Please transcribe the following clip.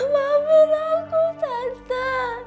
maafin aku tante